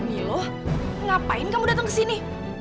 nih loh ngapain kamu datang kesini